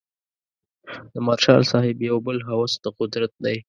د مارشال صاحب یو بل هوس د قدرت دی.